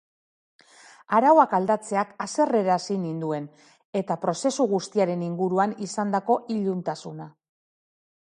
Arauak aldatzeak haserrearazi ninduen, eta prozesu guztiaren inguruan izandako iluntasuna.